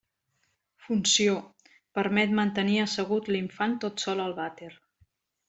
Funció: permet mantenir assegut l'infant tot sol al vàter.